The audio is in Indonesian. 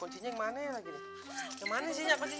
kunci nya yang mana lagi